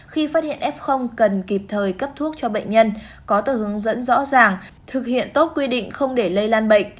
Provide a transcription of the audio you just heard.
khi phát hiện f cần kịp thời cấp thuốc cho bệnh nhân có tờ hướng dẫn rõ ràng thực hiện tốt quy định không để lây lan bệnh